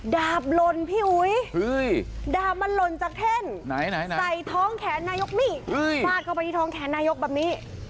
ดาบหล่นพี่อุ๋ยดาบมันหล่นจากแท่นใส่ท้องแขนนายกนี่ฟาดเข้าไปที่ท้องแขนนายกแบบนี้